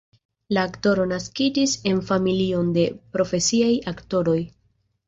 La aktoro naskiĝis en familion de profesiaj aktoroj.